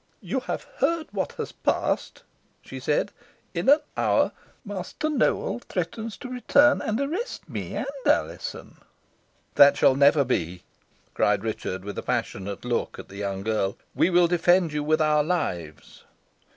"You have heard what has passed," she said. "In an hour Master Nowell threatens to return and arrest me and Alizon." "That shall never be," cried Richard, with a passionate look at the young girl. "We will defend you with our lives."